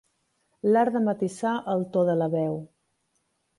L'art de matisar el to de la veu.